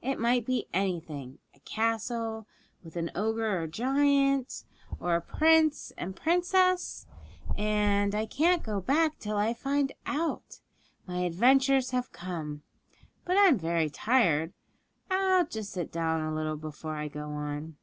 It might be anything a castle, with an ogre or giant, or a prince and princess and I can't go back till I find out. My adventures have come. But I'm very tired. I'll just sit down for a little before I go on.'